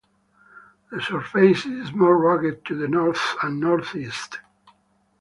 The surface is more rugged to the north and northeast.